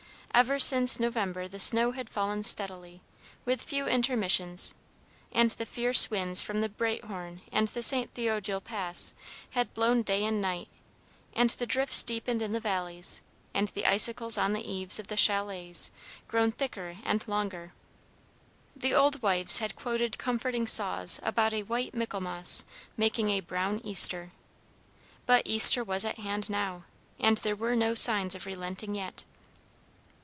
Ever since November the snow had fallen steadily, with few intermissions, and the fierce winds from the Breithorn and the St. Theodule Pass had blown day and night, and the drifts deepened in the valleys, and the icicles on the eaves of the chalets grown thicker and longer. The old wives had quoted comforting saws about a "white Michaelmas making a brown Easter;" but Easter was at hand now, and there were no signs of relenting yet.